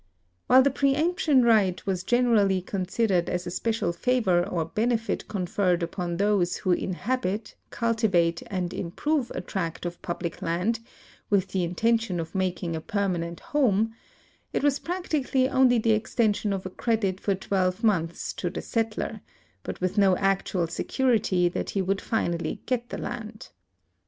While the preemption right was generally considered as a special favor or benefit conferred upon those who inhabit, culti vate, and improve a tract of public land, with the intention of making a permanent home, it was practically only the extension of a credit for twelve months to the settler, but with no actual security that he would finally get the land.